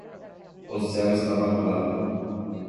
O céu estava claro.